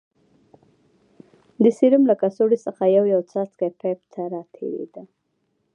د سيروم له کڅوړې څخه يو يو څاڅکى پيپ ته راتېرېده.